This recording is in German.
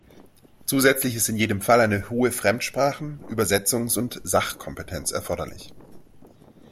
Zusätzlich ist in jedem Fall eine hohe Fremdsprachen-, Übersetzungs- und Sachkompetenz erforderlich.